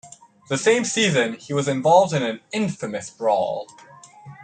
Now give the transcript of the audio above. The same season, he was involved in an infamous brawl.